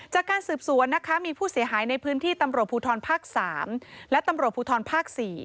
จากการสืบสวนนะคะมีผู้เสียหายในพื้นที่ตำรวจภูทรภาค๓และตำรวจภูทรภาค๔